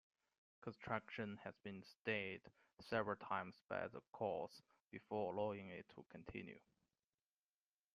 Construction had been stayed several times by the courts before allowing it to continue.